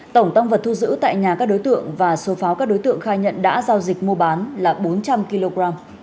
tổng tăng vật thu giữ tại nhà các đối tượng và số pháo các đối tượng khai nhận đã giao dịch mua bán là bốn trăm linh kg